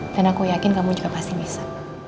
dan aku yakin kamu juga pasti bisa